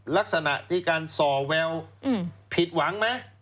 ลักษณะที่การส่อแววผิดหวังไหม